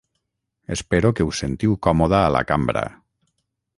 Espero que us sentiu còmoda a la cambra.